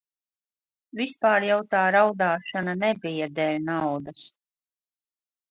Vispār jau tā raudāšana nebija dēļ naudas.